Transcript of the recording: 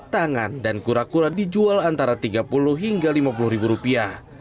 tangan dan kura kura dijual antara tiga puluh hingga lima puluh ribu rupiah